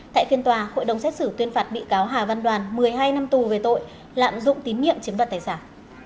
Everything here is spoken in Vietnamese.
tại phiên tòa hội đồng xét xử tuyên phạt bị cáo hà văn đoàn một mươi hai năm tù về tội lạm dụng tín nhiệm chiếm đoạt tài sản